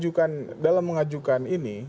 kita dalam mengajukan ini